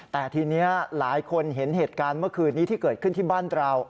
แต่ทีนี้หลายคนเห็นเหตุการณ์เมื่อคืนนี้ที่เกิดขึ้นที่บ้านเรา